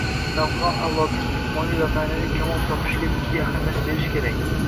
Navqiron avlodning jismoniy va maʼnaviy kamol topishiga jiddiy ahamiyat berish kerak.